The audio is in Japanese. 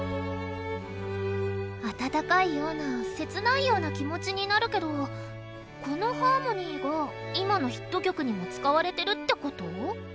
あたたかいような切ないような気持ちになるけどこのハーモニーが今のヒット曲にも使われてるってこと？